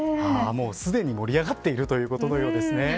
もうすでに盛り上がっているということのようですね。